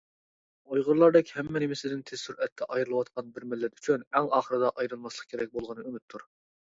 ئۇيغۇرلاردەك ھەممە نېمىسىدىن تېز سۈرئەتتە ئايرىلىۋاتقان بىر مىللەت ئۈچۈن، ئەڭ ئاخىرىدا ئايرىلماسلىق كېرەك بولغىنى ئۈمىدتۇر.